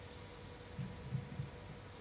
强为之容即老君。